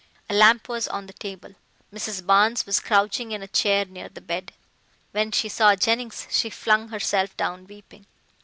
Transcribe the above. A lamp was on the table. Mrs. Barnes was crouching in a chair near the bed. When she saw Jennings she flung herself down weeping.